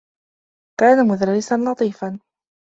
كان مدرّسا لطيفا.